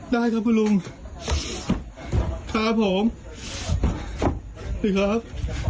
ได้ครับคุณลุงครับผมนี่ครับ